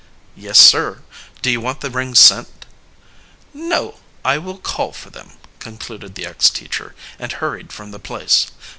"Yes, sir. Do you want the rings sent?" "No, I will call for them," concluded the ex teacher, and hurried from the place.